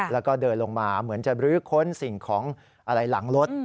แล้วก็เดินลงมาเหมือนจะบรื้อค้นสิ่งของอะไรหลังรถ